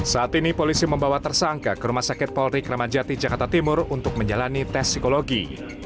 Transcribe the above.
saat ini polisi membawa tersangka ke rumah sakit polri kramajati jakarta timur untuk menjalani tes psikologi